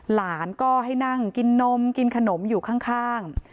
หลานก็ให้นั่งกินนมกินขนมอยู่ข้าง